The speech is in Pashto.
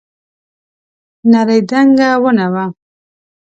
نرۍ دنګه ونه وه.